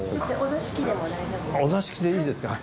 お座敷でいいですか？